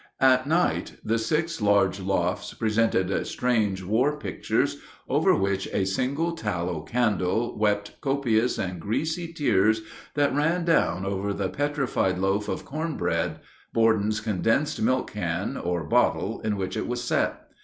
At night the six large lofts presented strange war pictures, over which a single tallow candle wept copious and greasy tears that ran down over the petrified loaf of corn broad, Borden's condensed milk can, or bottle in which it was set.